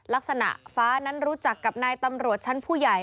ลักษณะฟ้านั้นรู้จักกับนายตำรวจชั้นผู้ใหญ่